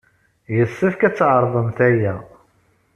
Yessefk ad tɛerḍemt aya.